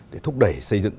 để thúc đẩy xây dựng